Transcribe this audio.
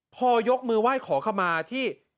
พอยกมือไหว้ขอขมาที่